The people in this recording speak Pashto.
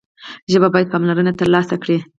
ژبه باید پاملرنه ترلاسه کړي.